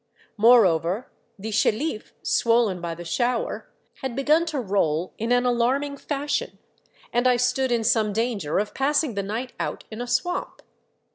Moreover, the Chelif, swollen by the shower, had begun to roll in an alarming fashion, and I stood in some danger of passing the night out in a swamp.